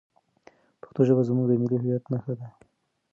پښتو ژبه زموږ د ملي هویت نښه ده.